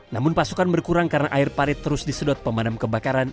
namun pasukan berkurang karena air parit terus disedot pemadam kebakaran